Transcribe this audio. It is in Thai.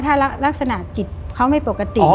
ถ้ารักษณะจิตไม่ปกติ